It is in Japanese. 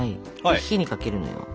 火にかけるのよ。